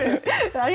あれ？